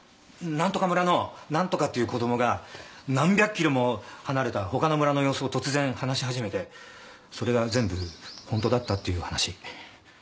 何とか村の何とかっていう子供が何百キロも離れたほかの村の様子を突然話し始めてそれが全部ホントだったっていう話。